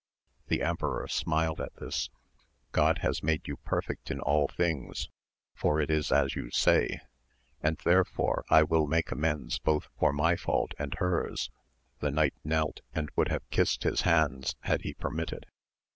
The emperor smiled at this ;— God has made you perfect in all things, for it is as you say, and therefore I will make amends both for my fault and hers ! the knight knelt and would have kissed his hands had he per mitted.